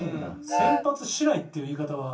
「先発しない」っていう言い方は。